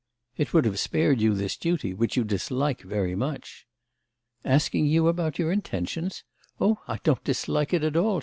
"It would have spared you this duty, which you dislike very much." "Asking you about your intentions? Oh I don't dislike it at all!"